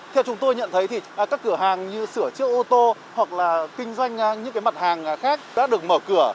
theo chúng tôi nhận thấy thì các cửa hàng như sửa chiếc ô tô hoặc là kinh doanh những mặt hàng khác đã được mở cửa